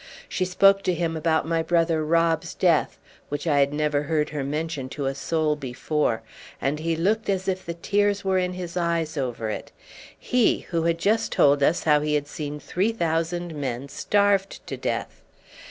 She spoke to him about my brother Rob's death, which I had never heard her mention to a soul before, and he looked as if the tears were in his eyes over it he, who had just told us how he had seen three thousand men starved to death!